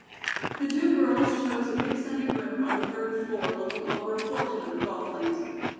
The two girls chose a big sunny room on the third floor looking over a portion of the golf links.